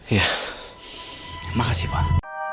ya makasih pak